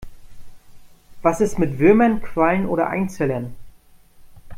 Was ist mit Würmern, Quallen oder Einzellern?